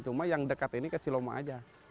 cuma yang dekat ini ke siloma aja